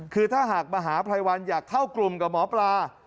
คือถ้าหากมหาภัยวันอยากเข้ากลุ่มกับหมอปลา